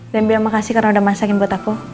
dan bilang makasih karena udah masakin buat aku